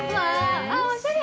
あ、おしゃれ！